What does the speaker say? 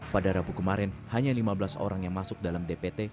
pada rabu kemarin hanya lima belas orang yang masuk dalam dpt